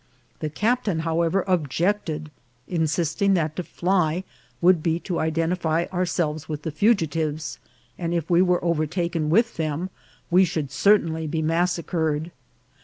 The captain, however, objected, insisting that to fly would be to identify ourselves with the fugitives; and if we were overtaken with them we should certainly be mas sacred.